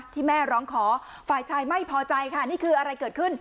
ที่แม่ร้องขอฝ่ายชายไม่พอใจค่ะนี่คืออะไรเกิดขึ้น